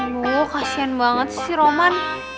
wuh kasihan banget sih roman